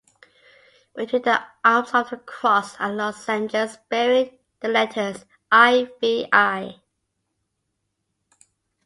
Between the arms of the cross are lozenges bearing the letters I. V. I.